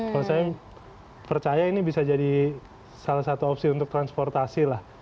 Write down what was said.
kalau saya percaya ini bisa jadi salah satu opsi untuk transportasi lah